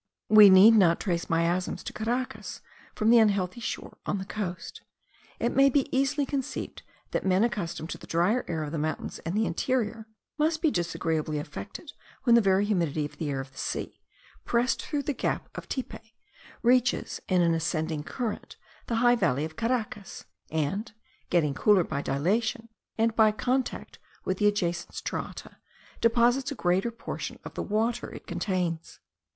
We need not trace miasms to Caracas from the unhealthy shore on the coast: it may be easily conceived that men accustomed to the drier air of the mountains and the interior, must be disagreeably affected when the very humid air of the sea, pressed through the gap of Tipe, reaches in an ascending current the high valley of Caracas, and, getting cooler by dilatation, and by contact with the adjacent strata, deposits a great portion of the water it contains.